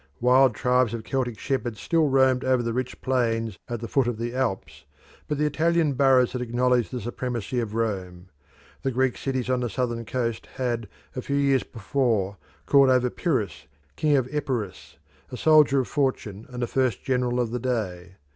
Wild tribes of Celtic shepherds still roamed over the rich plains at the foot of the Alps, but the Italian boroughs had acknowledged the supremacy of Rome. The Greek cities on the southern coast had, a few years before, called over Pyrrhus, King of Epirus, a soldier of fortune and the first general of the day.